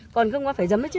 còn cơm nó phải dấm đấy chứ